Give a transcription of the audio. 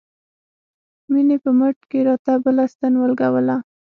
مينې په مټ کښې راته بله ستن راولګوله.